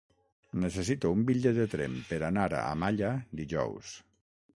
Necessito un bitllet de tren per anar a Malla dijous.